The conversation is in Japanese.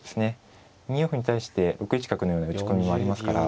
２四歩に対して６一角のような打ち込みもありますから。